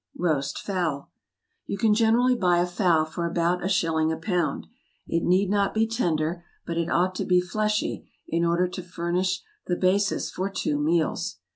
=Roast Fowl.= You can generally buy a fowl for about a shilling a pound; it need not be tender, but it ought to be fleshy in order to furnish the basis for two meals.